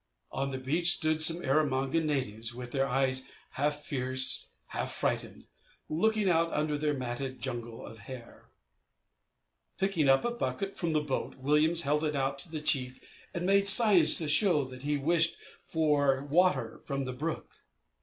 On the beach stood some Erromangan natives, with their eyes (half fierce, half frightened) looking out under their matted jungle of hair. Picking up a bucket from the boat, Williams held it out to the chief and made signs to show that he wished for water from the brook.